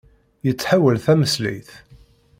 Yettḥawal tameslayt.